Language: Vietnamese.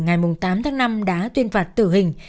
ngày tám tháng năm đã tuyên phạt tử hình